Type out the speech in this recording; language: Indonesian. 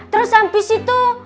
terus abis itu